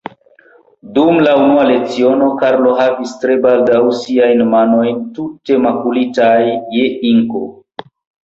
Dum la unua leciono, Karlo havis tre baldaŭ siajn manojn tute makulitaj je inko.